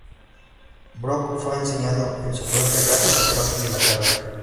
Brock fue enseñado en su propia casa por parte de su carrera.